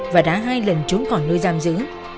và đã hai lần trốn khỏi nơi giam giữ